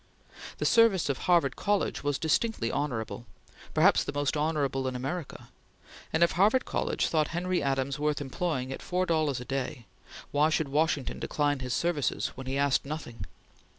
The service of Harvard College was distinctly honorable; perhaps the most honorable in America; and if Harvard College thought Henry Adams worth employing at four dollars a day, why should Washington decline his services when he asked nothing?